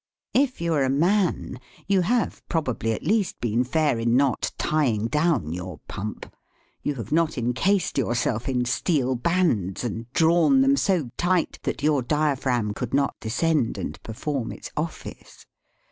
If you are a man, you have probably at least been fair in not tying down your pump ; you have not encased yourself in steel bands and drawn them so tight that your diaphragm could not descend and perform its office.